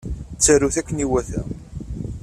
Ttarut akken iwata.